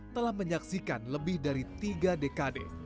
telah menyaksikan lebih dari tiga dekade